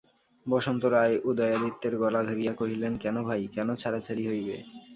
বসন্ত রায় উদয়াদিত্যের গলা ধরিয়া কহিলেন, কেন ভাই, কেন ছাড়াছাড়ি হইবে?